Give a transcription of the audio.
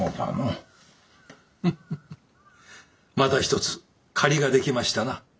フフフまた一つ借りができましたな。